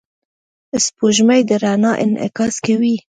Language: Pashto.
سپوږمۍ د رڼا انعکاس کوي.